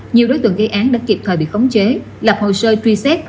nhiều đối tượng gây án đã kịp thời bị khống chế lập hồ sơ truy xét